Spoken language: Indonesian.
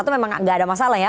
memang gak ada masalah ya